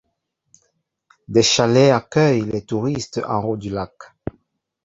Des chalets accueillent les touristes en haut du lac.